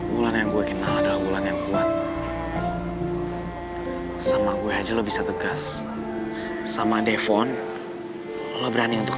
bulan yang gue kenal adalah bulan yang kuat sama gue aja lo bisa tegas sama defon lo berani untuk